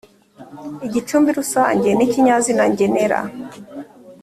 igicumbi rusange, ni ikinyazina ngenera